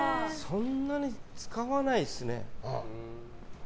そんなに使わないですね。